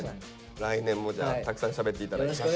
来年もじゃあたくさんしゃべって頂いて。